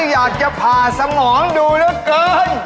อยากจะพาสมองดูละกิ้น